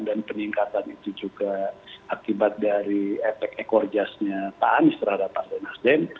dan peningkatan itu juga akibat dari efek ekorjasnya pak anis terhadap partai nasdem